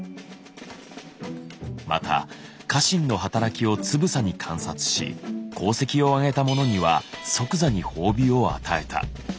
また家臣の働きをつぶさに観察し功績をあげた者には即座に褒美を与えた。